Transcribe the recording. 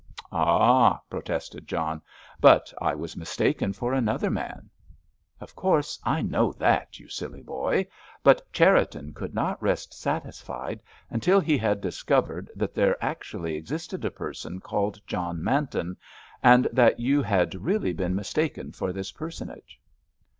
"Ah," protested John, "but I was mistaken for another man." "Of course, I know that, you silly boy! But Cherriton could not rest satisfied until he had discovered that there actually existed a person called John Manton, and that you had really been mistaken for this personage."